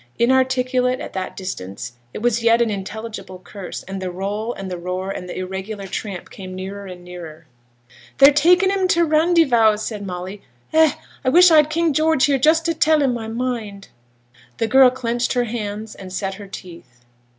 Inarticulate at that distance, it was yet an intelligible curse, and the roll, and the roar, and the irregular tramp came nearer and nearer. 'They're taking 'em to t' Randyvowse,' said Molly. 'Eh! I wish I'd King George here just to tell him my mind.' The girl clenched her hands, and set her teeth.